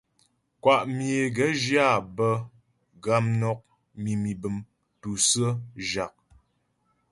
Kwá myə é gaə̌ zhyə áa bə̌ gamnɔk, mimî bəm, tûsə̀ə, zhâk.